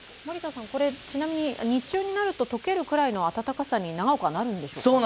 ちなみに日中になると溶けるくらいのあたたかさに、長岡、なるんですか？